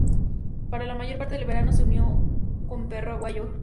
Para la mayor parte del verano, se unió con Perro Aguayo, Jr.